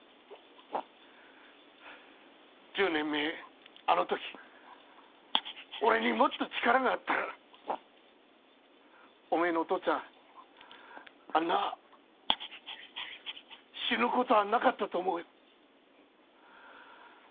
１０年前あの時俺にもっと力があったらおめえのお父っつぁんあんな死ぬ事はなかったと思う。